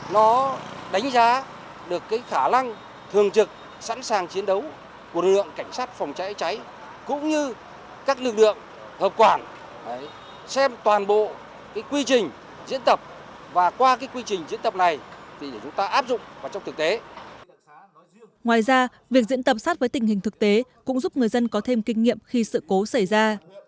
ngoài ra việc diễn tập sát với tình hình thực tế cũng giúp người dân có thêm kinh nghiệm khi sự cố xảy ra